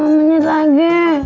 lima menit lagi